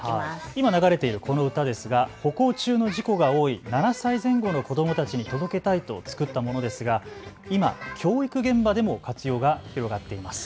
今流れているこの歌ですが歩行中の事故が多い７歳前後の子どもたちに届けたいと作ったものですが今、教育現場でも活用が広がっています。